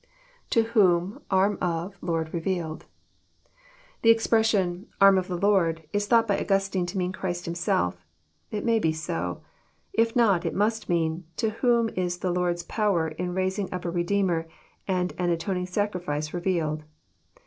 [To tehofn..,arm of.. .Lord revealed.'] The expression, " Arm of the Lord," is thought by Augustine to mean Christ Himself. It may be so. If not, it must mean, To whom is the Lord's power in raising up a Redeemer and an atoning sacrifice re vealed?